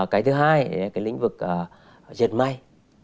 cái thứ hai là cái lĩnh vực diệt may